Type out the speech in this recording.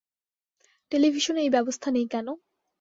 টেলিভিশনে এই ব্যবস্থা নেই কেন?